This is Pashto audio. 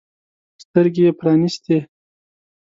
سترګې يې پرانیستې.